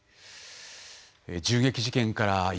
銃撃事件から１年。